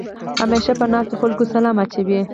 همېشه په ناستو خلکو سلام اچوې.